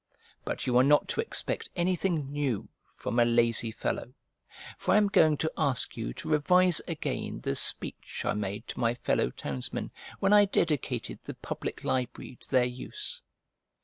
But you are not to expect anything new from a lazy fellow, for I am going to ask you to revise again the speech I made to my fellow townsmen when I dedicated the public library to their use.